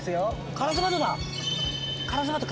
カラスバトだ。